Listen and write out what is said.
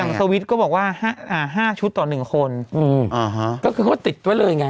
อย่างอย่างก็บอกว่าอ่าห้าชุดต่อหนึ่งคนอืมอ่าฮะก็คือเขาติดไว้เลยไง